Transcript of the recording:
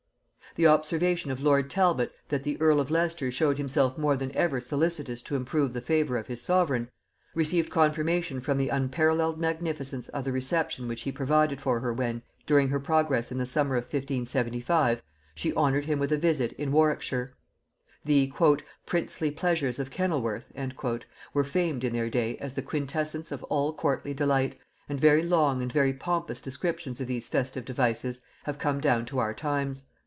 The observation of lord Talbot, that the earl of Leicester showed himself more than ever solicitous to improve the favor of his sovereign, received confirmation from the unparalleled magnificence of the reception which he provided for her when, during her progress in the summer of 1575, she honored him with a visit in Warwickshire. The "princely pleasures of Kennelworth," were famed in their day as the quintessence of all courtly delight, and very long and very pompous descriptions of these festive devices have come down to our times.